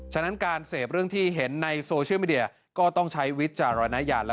ฉะนั้นการเสพเรื่องที่เห็นในโซเชียลมีเดียก็ต้องใช้วิจารณญาณ